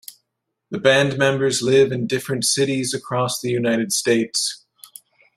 The band members live in different cities across the United States.